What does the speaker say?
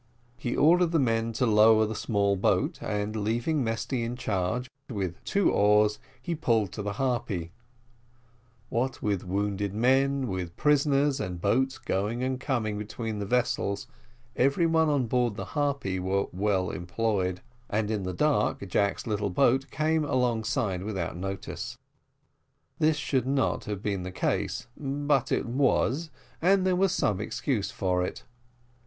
He ordered the men to lower down the small boat, and leaving Mesty in charge, with two oars he pulled to the Harpy. What with wounded men, with prisoners, and boats going and coming between the vessels, every one on board the Harpy were well employed; and in the dark Jack's little boat came alongside without notice. This should not have been the case, but it was, and there was some excuse for it.